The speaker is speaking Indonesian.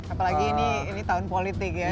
apalagi ini tahun politik ya